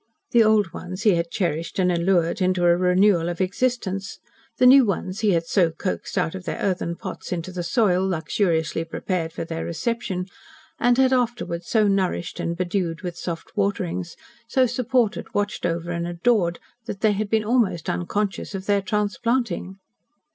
The old ones he had cherished and allured into a renewal of existence the new ones he had so coaxed out of their earthen pots into the soil, luxuriously prepared for their reception, and had afterwards so nourished and bedewed with soft waterings, so supported, watched over and adored that they had been almost unconscious of their transplanting.